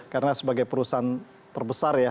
karena sebagai perusahaan terbesar ya